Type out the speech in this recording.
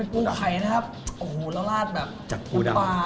เป็นปูไข่นะครับโอ้โหแล้วราดแบบจากปูดำ